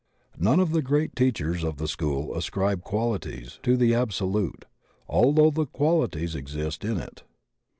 None of the great teachers of the School ascribe quali ties to the Absolute although all the quaUties exist in It.